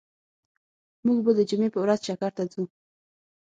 موږ به د جمعی په ورځ چکر ته ځو